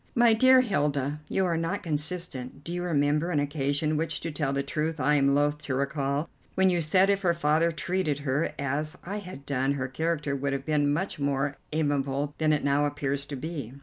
"My dear Hilda, you are not consistent. Do you remember an occasion, which to tell the truth I am loth to recall, when you said if her father treated her as I had done her character would be much more amiable than it now appears to be?"